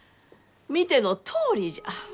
見てのとおりじゃ！